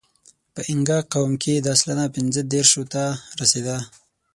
په اینګا قوم کې دا سلنه پینځهدېرشو ته رسېده.